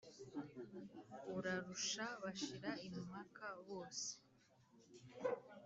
urarusha, bashira impaka bose